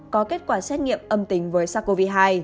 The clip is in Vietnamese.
có kết quả xét nghiệm âm tính với sars cov hai